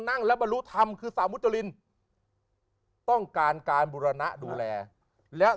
นั่งแล้วบรรลุธรรมคือสาวมุจรินต้องการการบุรณะดูแลแล้ว